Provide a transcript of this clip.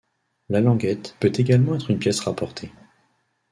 La languette peut également être une pièce rapportée.